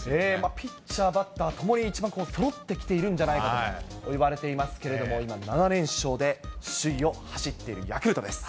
ピッチャー、バッターともに一番そろってきているんじゃないかと言われていますけれども、今、７連勝で首位を走っているヤクルトです。